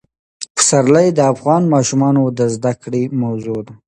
پسرلی د افغان ماشومانو د زده کړې موضوع ده.